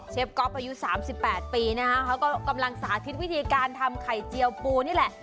ก๊อฟอายุ๓๘ปีนะคะเขาก็กำลังสาธิตวิธีการทำไข่เจียวปูนี่แหละ